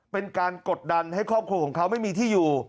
เป็นการกดดันให้ครอบครัวของเขาไม่มีที่อยู่